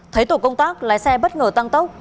thấy tổ công tác lái xe bất ngờ tăng tốc